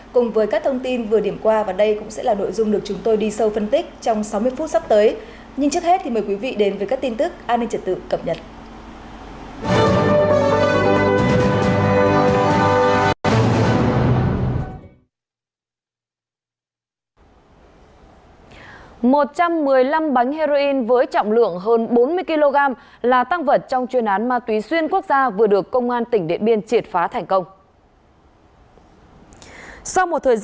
cùng với các thông tin vừa điểm qua và đây cũng sẽ là nội dung được chúng tôi đi sâu phân tích trong sáu mươi phút sắp tới